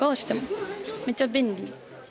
めっちゃ便利。